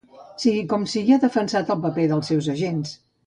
Sigui com sigui, ha defensat el paper dels seus agents.